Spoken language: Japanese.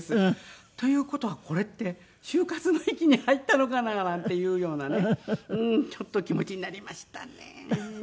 という事はこれって終活の域に入ったのかななんていうようなねちょっと気持ちになりましたね。